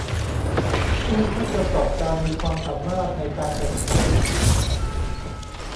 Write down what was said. เพื่อให้ผู้ประกอบการมีความสามารถในการแข่งขัน